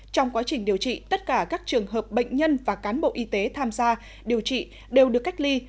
trong quá trình điều trị tất cả các trường hợp bệnh nhân và cán bộ y tế tham gia điều trị đều được cách ly